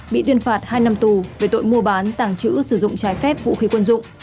bị tuyên phạt hai năm tù về tội mua bán tàng trữ sử dụng trái phép vũ khí quân dụng